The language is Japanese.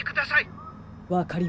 わかりました。